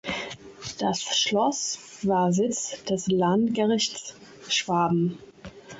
Das Schloss war Sitz des Landgerichts Schwaben.